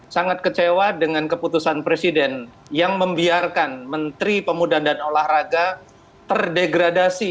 sangat kecewa dengan keputusan presiden yang membiarkan menteri pemuda dan olahraga terdegradasi